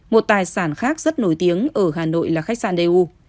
một tài sản khác rất nổi tiếng ở hà nội là khách sạn đê u